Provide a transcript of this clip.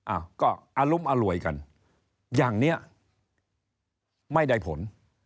อัลลุมอะไรกันอย่างเนี้ยไม่ได้ผล